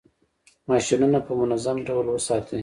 ماشینونه په منظم ډول وساتئ.